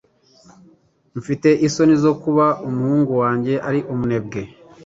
Mfite isoni zo kuba umuhungu wanjye ari umunebwe.